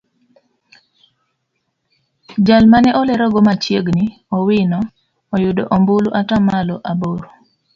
Jal mane olerogo machiegni Owino oyudo ombulu atamalo aboro.